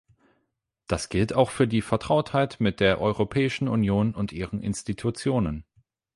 Das gilt auch für die Vertrautheit mit der Europäischen Union und ihren Institutionen.